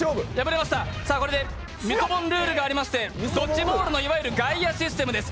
これで、ルールがありまして、ドッジボールの外野システムです。